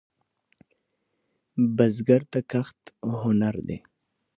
بزګر ته کښت هنر دی